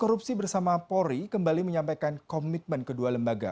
korupsi bersama polri kembali menyampaikan komitmen kedua lembaga